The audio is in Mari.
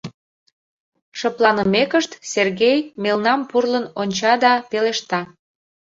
Шыпланымекышт, Сергей мелнам пурлын онча да пелешта: